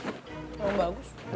kenapa rambut gue